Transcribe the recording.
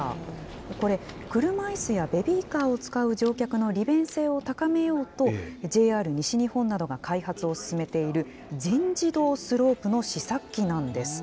これ、車いすやベビーカーを使う乗客の利便性を高めようと、ＪＲ西日本などが開発を進めている全自動スロープの試作機なんです。